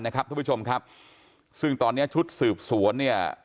นะครับท่านผู้ชมครับซึ่งตอนนี้ชุดสืบสวน